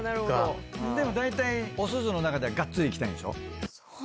でもだいたいおすずの中ではガッツリいきたいんでしょ？